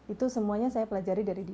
itu semuanya saya pelajari dari diri